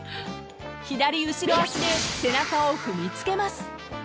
［左後ろ足で背中を踏みつけます］